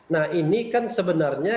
nah ini kan sebenarnya